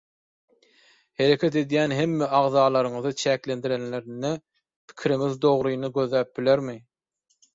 Hereket edýän hemme agzalaryňyzy çäklendirenlerinde pikiriňiz dogryny gözläp bilermi?